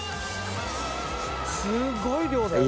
すごい量だよこれ。